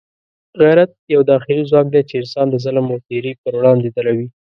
غیرت یو داخلي ځواک دی چې انسان د ظلم او تېري پر وړاندې دروي.